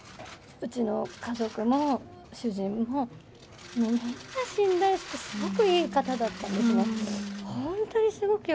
うちの家族も主人も、みんな信頼して、すごくいい方だったんですよ。